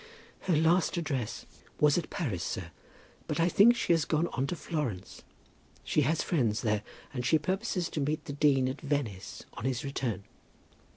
"Her last address was at Paris, sir; but I think she has gone on to Florence. She has friends there, and she purposes to meet the dean at Venice on his return."